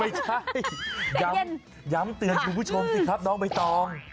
ไม่ใช่ย้ำเตือนคุณผู้ชมสิครับน้องใบตอง